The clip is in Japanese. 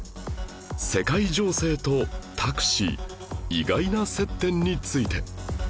世界情勢とタクシー意外な接点について